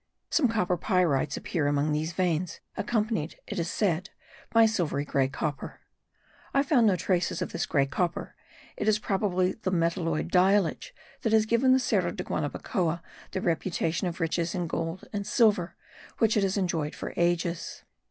Some copper pyrites appear among these veins accompanied, it is said, by silvery grey copper. I found no traces of this grey copper: it is probably the metalloid diallage that has given the Cerro de Guanabacoa the reputation of riches in gold and silver which it has enjoyed for ages.